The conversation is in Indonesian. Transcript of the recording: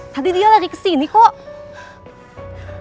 tadi dia lari kesini kok